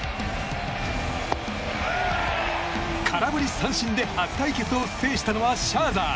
空振り三振で初対戦を制したのはシャーザー。